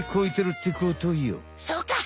そうか！